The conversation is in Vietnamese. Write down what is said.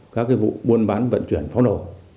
các vụ buôn bán vận chuyển phóng nổ